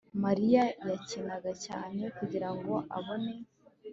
mariya yakinaga cyane kugirango abone